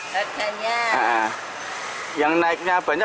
sekarang dua belas ribu rupiah